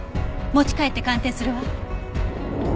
持ち帰って鑑定するわ。